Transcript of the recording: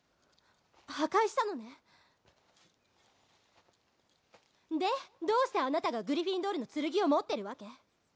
破壊したのねでどうしてあなたがグリフィンドールの剣を持ってるわけ？